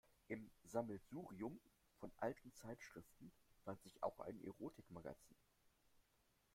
Im Sammelsurium von alten Zeitschriften fand sich auch ein Erotikmagazin.